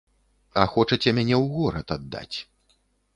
А хочаце мяне ў горад аддаць.